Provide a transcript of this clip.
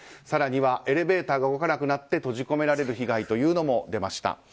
更には、エレベーターが動かなくなって閉じ込められる被害も出ました。